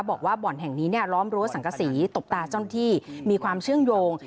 บอกว่าบ่อนแห่งนี้เนี่ยล้อมรั้วสังกษีตบตาเจ้าหน้าที่มีความเชื่อมโยง